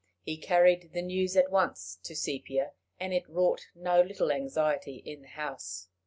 He carried the news at once to Sepia, and it wrought no little anxiety in the house.